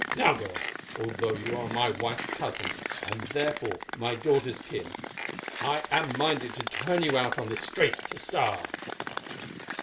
"Now, girl, although you are my wife's cousin, and therefore my daughter's kin, I am minded to turn you out on to the street to starve."